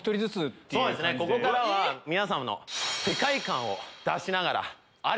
ここからは皆様の世界観を出しながら。